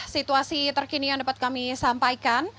situasi terkini yang dapat kami sampaikan